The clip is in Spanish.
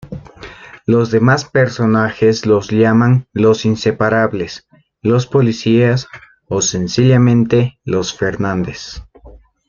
Los demás personajes los llaman "los inseparables", "los policías" o, sencillamente, "los Fernández".